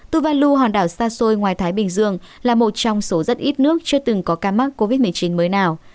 tuvau hòn đảo xa xôi ngoài thái bình dương là một trong số rất ít nước chưa từng có ca mắc covid một mươi chín mới nào